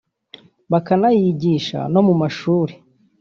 bakanayigisha no mu mashuri